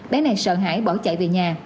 bé này sợ hãi bỏ chạy về nhà